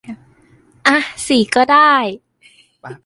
อ่ะ สี่ก็ได้